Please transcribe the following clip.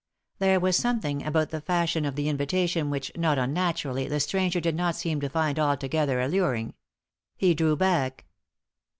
There was something about the fashion of the invitation which, not unnaturally, the stranger did not seem to find altogether alluring. He drew back.